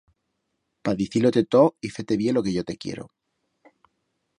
Pa dicir-lo-te todo y fer-te vier lo que yo te quiero.